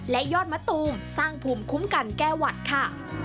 และยอดมะตูมสร้างภูมิคุ้มกันแก้หวัดค่ะ